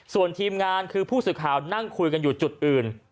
ส่วนทีมงานคือผู้สื่อข่าวนั่งคุยกันอยู่จุดอื่น